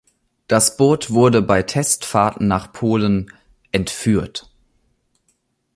Das Boot wurde bei Testfahrten nach Polen „entführt“.